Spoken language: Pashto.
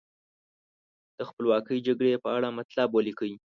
د خپلواکۍ جګړې په اړه مطلب ولیکئ.